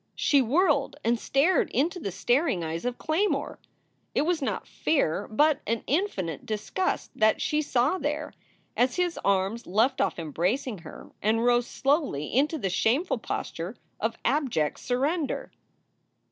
She whirled and stared into the staring eyes of Claymore. It was not fear, but an infinite disgust, that she saw there, as his arms left off embracing her and rose slowly into the shameful posture of abject surrender.